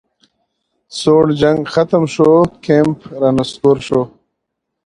سوړ جنګ ختم شو کمپ رانسکور شو